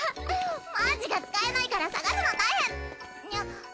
マジが使えないから捜すの大変にゃ？